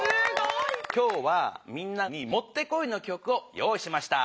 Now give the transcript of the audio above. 今日はみんなにもってこいのきょくを用いしました。